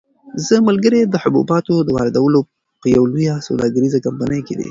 زما ملګری د حبوباتو د واردولو په یوه لویه سوداګریزه کمپنۍ کې دی.